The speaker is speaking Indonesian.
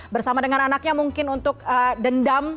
bersama dengan anaknya mungkin untuk dendam